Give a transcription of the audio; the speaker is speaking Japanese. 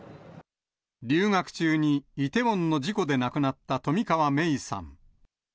留学中にイテウォンの事故で亡くなった冨川芽生さん。